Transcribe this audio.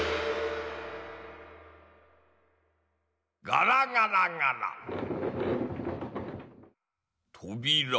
ガラガラガラ。